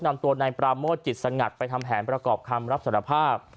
นำตัวนายปราโมทจิตสงัดไปทำแผนประกอบคำรับสารภาพ